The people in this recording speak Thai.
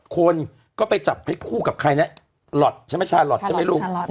คนก็ไปจับให้คู่กับใครนะหลอทใช่ไหมชาลอทใช่ไหมลูก